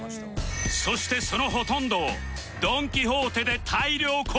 そしてそのほとんどをドン・キホーテで大量購入